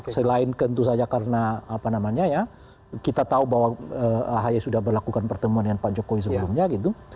selain tentu saja karena apa namanya ya kita tahu bahwa ahy sudah berlakukan pertemuan dengan pak jokowi sebelumnya gitu